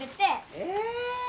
え？